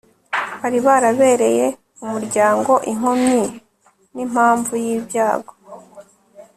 bari barabereye umuryango inkomyi n'impamvu y'ibyago